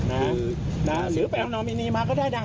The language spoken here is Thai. หรือมักกดพูดเรื่องนี้มาก็ได้ก็ได้นะ